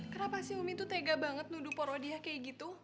kenapa sih umi tuh tega banget nuduh poro dia kayak gitu